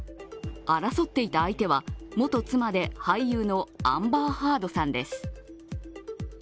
争っていた相手は、元妻で俳優のアンバー・ハードさんです。